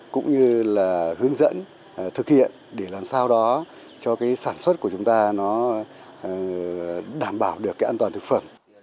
cũng như hướng dẫn thực hiện để làm sao đó cho sản xuất của chúng ta đảm bảo được an toàn thực phẩm